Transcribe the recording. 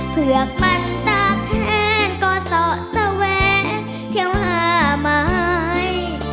เผือกมันตาแคนก็เสาะแสวงเที่ยวหาไม้